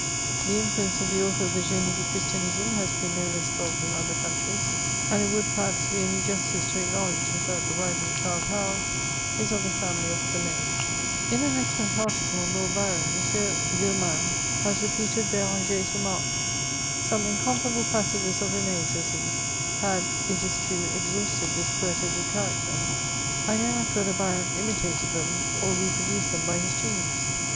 The influence of the author of the Genie du Chris tianisme has been no less felt in other countries ; and it would, perhaps, be only justice to acknowledge that the writer of Childe Harold is of the family of Rene In an excellent article on Lord Byron, M. Villemain has repeated B^ranger's remark :'* Some incomparable passages of Rene" says he, ^* had, it is true, exhausted this poetical character. I know not whether Byron imitated them, or re produced them by his genius."